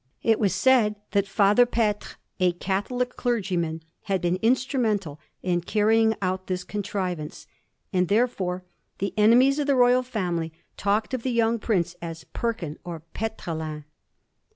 It was said that Father Petre, a Catholic clergyman, had been instrumental in carrying out this contrivance ; and therefore the enemies of the royal family talked of the yoimg prince as Perkin or Petrelin.